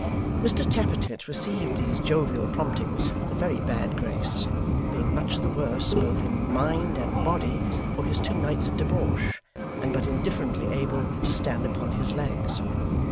Mr Tappertit received these jovial promptings with a very bad grace, being much the worse, both in mind and body, for his two nights of debauch, and but indifferently able to stand upon his legs.